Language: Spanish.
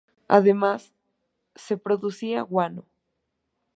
Además, se producía guano.